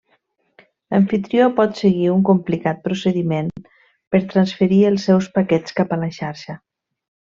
L'amfitrió pot seguir un complicat procediment per transferir els seus paquets cap a la xarxa.